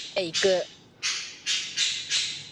明日外へ行く。